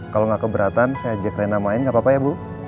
kalau gak keberatan saya ajak reina main gak apa apa ya bu